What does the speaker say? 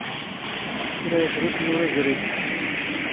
ⴽⵔⴰ ⵉⴷⵔⵓⵙⵏ ⵓⵔ ⵉⵣⵔⵉⵢ